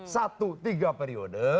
satu tiga periode